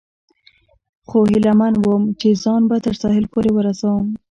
خو هیله من ووم، چې ځان به تر ساحل پورې ورسوم.